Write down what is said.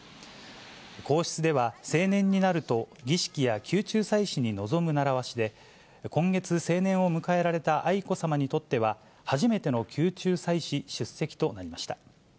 皇室では、成年になると、儀式や宮中祭祀に臨む習わしで、今月、成年を迎えられた愛子さまにとっては、初めての宮中祭祀出席となりました。